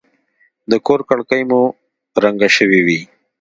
د کور کړکۍ مې رنګه شوې وې.